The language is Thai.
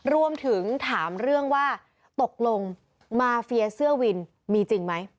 รวมถึงถามเรื่องว่าตกลงมาเฟียเสื้อวินมีจริงไหม